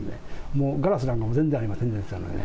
もうガラスなんかも全然ありませんでしたのでね。